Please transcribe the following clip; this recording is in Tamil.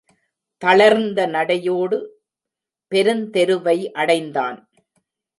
தளர்ந்த நடையோடு பெருந்தெருவை அடைந்தான்.